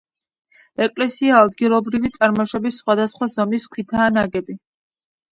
ეკლესია ადგილობრივი წარმოშობის სხვადასხვა ზომის ქვითაა ნაგები.